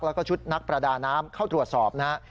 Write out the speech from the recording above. แล้วก็ชุดนักประดาน้ำเข้าตรวจสอบนะฮะ